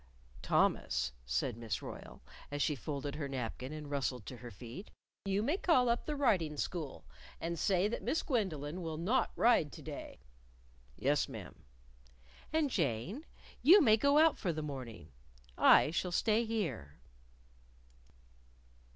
"Thomas," said Miss Royle, as she folded her napkin and rustled to her feet, "you may call up the Riding School and say that Miss Gwendolyn will not ride to day." "Yes, ma'am." "And, Jane, you may go out for the morning. I shall stay here."